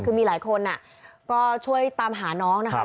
คือมีหลายคนก็ช่วยตามหาน้องนะครับ